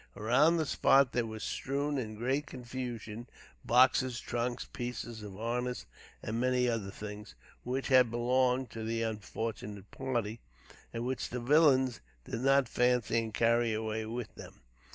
Around the spot, there was strewn, in great confusion, boxes, trunks, pieces of harness, and many other things, which had belonged to the unfortunate party, and which the villains did not fancy and carry away with them.